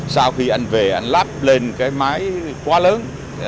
sau khi anh về anh lắp lên cái máy quá lớn